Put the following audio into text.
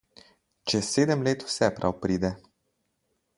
Čez sedem let vse prav pride.